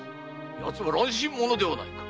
奴は乱心者ではないか。